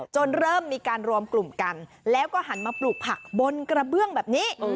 เริ่มมีการรวมกลุ่มกันแล้วก็หันมาปลูกผักบนกระเบื้องแบบนี้